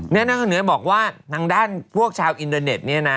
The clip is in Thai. นางข้างเหนือบอกว่าทางด้านพวกชาวอินเทอร์เน็ต